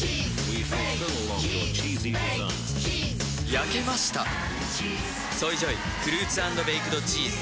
焼けました「ＳＯＹＪＯＹフルーツ＆ベイクドチーズ」